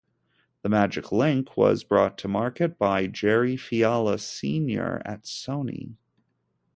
The Magic Link was brought to market by Jerry Fiala Senior at Sony.